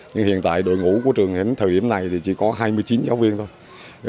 nhưng hiện tại đội ngũ của trường đến thời điểm này thì chỉ có hai mươi chín giáo viên thôi